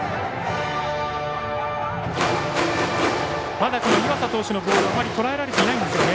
まだ岩佐投手のボールをあまりとらえられていないんですよね。